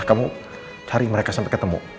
kamu cari mereka sampai ketemu